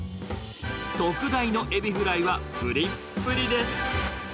特大のエビフライはぷりっぷりです。